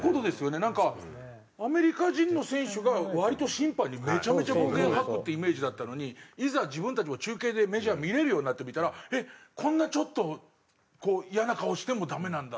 なんかアメリカ人の選手が割と審判にめちゃめちゃ暴言吐くってイメージだったのにいざ自分たちも中継でメジャー見れるようになってみたらこんなちょっと嫌な顔してもダメなんだっていう。